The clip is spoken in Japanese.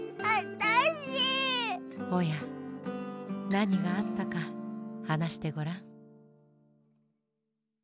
おやなにがあったかはなしてごらん。